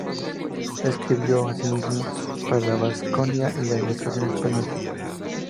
Escribió, asimismo, para "La Baskonia" y "La Ilustración Española".